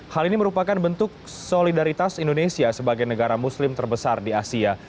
hal ini merupakan bentuk solidaritas indonesia sebagai negara muslim terbesar di asia